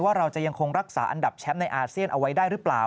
ว่าเราจะยังคงรักษาอันดับแชมป์ในอาเซียนเอาไว้ได้หรือเปล่า